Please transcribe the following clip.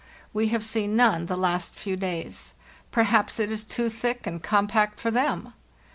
We have seen none the last few days. Perhaps it is too thick and compact for them